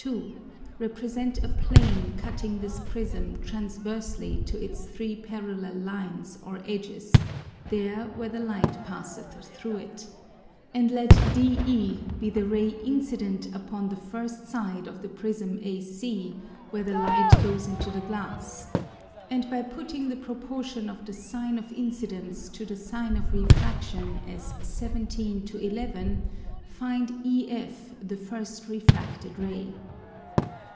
_ 2.] represent a Plane cutting this Prism transversly to its three Parallel lines or edges there where the Light passeth through it, and let DE be the Ray incident upon the first side of the Prism AC where the Light goes into the Glass; and by putting the Proportion of the Sine of Incidence to the Sine of Refraction as 17 to 11 find EF the first refracted Ray.